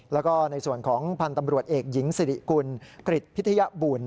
แล้วก็ในส่วนของพันธ์ตำรวจเอกหญิงสิริกุลกริจพิทยบุญ